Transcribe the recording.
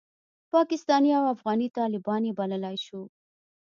پاکستاني او افغاني طالبان یې بللای شو.